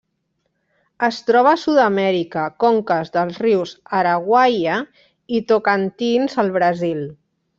Es troba a Sud-amèrica: conques dels rius Araguaia i Tocantins al Brasil.